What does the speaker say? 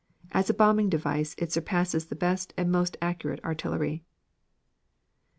As a bombing device, it surpasses the best and most accurate artillery.